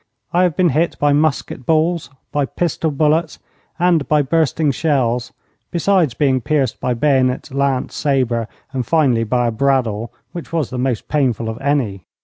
I have been hit by musket balls, by pistol bullets, and by bursting shells, besides being pierced by bayonet, lance, sabre, and finally by a brad awl, which was the most painful of any.